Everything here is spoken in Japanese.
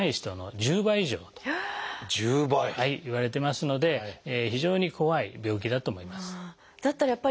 １０倍！いわれてますので非常に怖い病気だと思います。